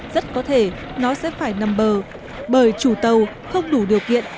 rất có thể nó sẽ phải nằm bờ bởi chủ tàu không đủ điều kiện